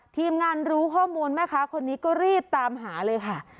ทีมงานรู้ข้อมูลแม่ค้าคนนี้ก็รีบตามหาเลยค่ะ